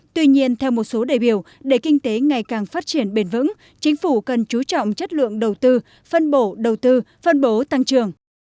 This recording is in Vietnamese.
tuy nhiên theo một số đại biểu để kinh tế ngày càng phát triển bền vững chính phủ cần chú trọng chất lượng đầu tư phân bổ đầu tư phân bố tăng trưởng